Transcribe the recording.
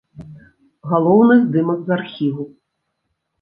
Галоўны здымак з архіву.